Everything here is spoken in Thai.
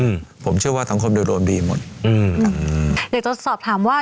อืมผมเชื่อว่าสังคมเดี๋ยวโดนดีหมดอืมครับอืมอยากจะสอบถามว่า